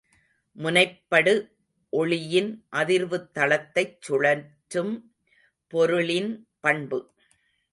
முனைப்படு ஒளியின் அதிர்வுத்தளத்தைச் சுழற்றும் பொருளின் பண்பு.